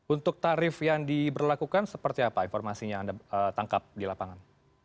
untuk tarif yang diberlakukan seperti apa informasinya anda tangkap di lapangan